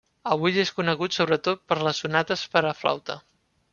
Avui és conegut sobretot per les sonates per a flauta.